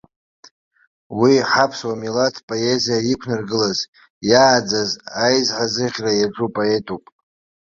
Уи ҳаԥсуа милаҭ поезиа иқәнаргылаз, иааӡаз, аизҳазыӷьара иаҿу поетуп.